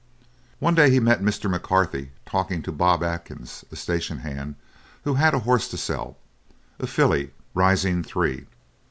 One day he met Mr. McCarthy talking to Bob Atkins, a station hand, who had a horse to sell a filly, rising three.